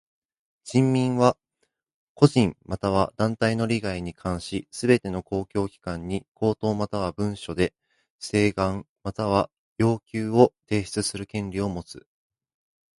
人民は個人または団体の利害に関しすべての公共機関に口頭または文書で請願または要求を提出する権利をもつ。